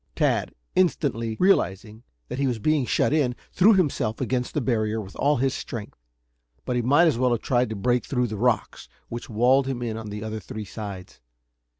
Tad, instantly realizing that he was being shut in, threw himself against the barrier with all his strength. But he might as well have tried to break through the rocks which walled him in on the other three sides.